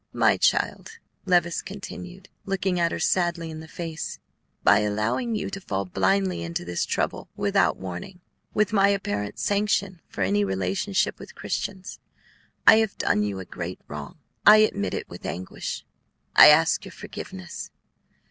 "My child," Levice continued, looking her sadly in the face, "by allowing you to fall blindly into this trouble, without warning, with my apparent sanction for any relationship with Christians, I have done you a great wrong; I admit it with anguish. I ask your forgiveness."